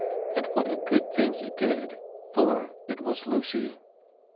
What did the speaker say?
And what a good thing he did, for it was Lucy.